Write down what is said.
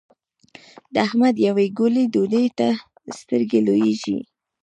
د احمد يوې ګولې ډوډۍ ته سترګې لوېږي.